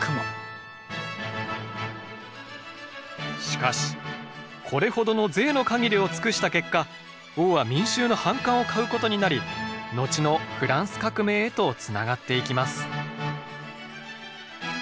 しかしこれほどのぜいの限りを尽くした結果王は民衆の反感を買うことになり後のフランス革命へとつながっていきます。